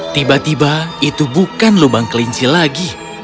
tiba tiba itu bukan lubang kelinci lagi